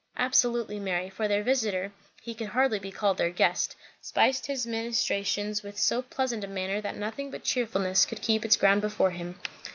Absolutely merry; for their visitor, he could hardly be called their guest, spiced his ministrations with so pleasant a manner that nothing but cheerfulness could keep its ground before him.